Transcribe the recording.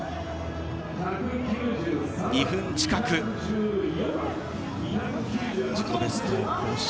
２分近く自己ベストを更新。